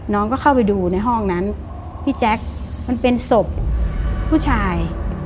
น้องก็เข้าไปดูในห้องนั้นพี่แจ๊คมันเป็นศพผู้ชาย